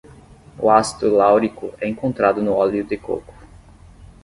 O ácido láurico é encontrado no óleo de coco